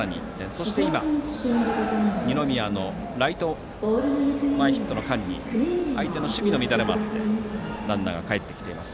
そして今二宮のライト前ヒットの間に相手の守備の乱れもありランナーがかえってきています。